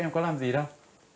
em có làm gì đâu